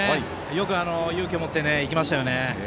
よく、勇気を持っていきましたね。